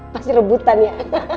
pasti rebutan ya